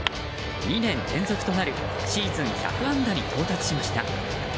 ２年連続となるシーズン１００安打に到達しました。